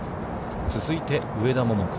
続いて上田桃子。